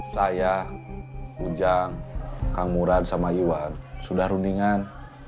saya ujang kang murad sama iwan sudah runingan